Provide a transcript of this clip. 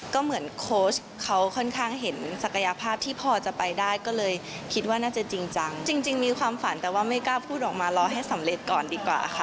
ก็เหมือนโค้ชเขาค่อนข้างเห็นศักยภาพที่พอจะไปได้ก็เลยคิดว่าน่าจะจริงจังจริงจริงมีความฝันแต่ว่าไม่กล้าพูดออกมารอให้สำเร็จก่อนดีกว่าค่ะ